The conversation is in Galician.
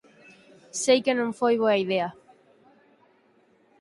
Sei que non foi boa idea